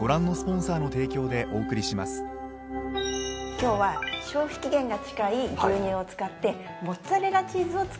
今日は消費期限が近い牛乳を使ってモッツァレラチーズを作っていきましょう。